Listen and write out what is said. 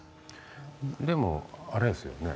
でもあれですよね